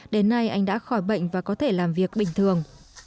đến nay anh đã khỏi bệnh và có thể làm việc bình thường